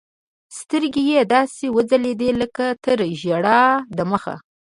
سترګې يې داسې وځلېدې لكه تر ژړا د مخه.